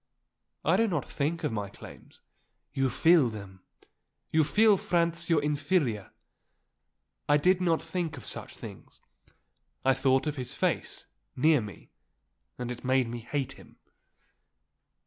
"I do not think of my claims." "You feel them. You feel Franz your inferior." "I did not think of such things. I thought of his face, near me, and it made me hate him."